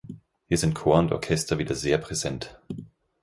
Hier sind Chor und Orchester wieder sehr präsent.